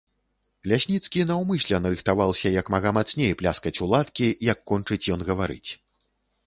Лясніцкі наўмысля нарыхтаваўся як мага мацней пляскаць у ладкі, як кончыць ён гаварыць.